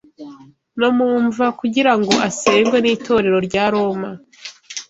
no mu mva Kugira ngo asengwe n'Itorero rya Roma